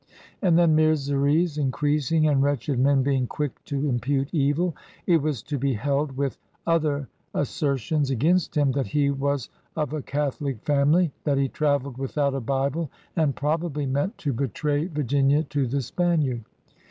'' And then, miseries increasing and wretched men being quick to impute evil, it was to be held with other asser tions against him that he was of a Catholic family, that he traveled without a Bible, and probably 18 PIONEERS OP THE OLD SOUTH meant to betray Virginia to the Spaniard.